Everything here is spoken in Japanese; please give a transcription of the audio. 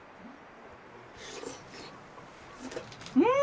うん！